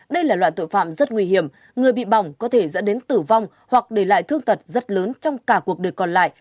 đây là loại tội phạm rất nguy hiểm người bị bỏng có thể dẫn đến tử vong hoặc để lại thương tật rất lớn trong cả cuộc đời còn lại